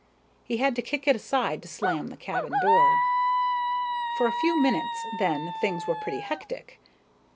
He had to kick it aside to slam the cabin door. For a few minutes, then, things were pretty hectic.